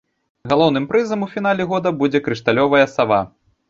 Галоўным прызам у фінале года будзе крышталёвая сава.